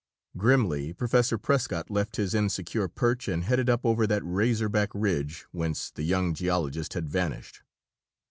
Grimly, Professor Prescott left his insecure perch and headed up over that razor back ridge whence the young geologist had vanished.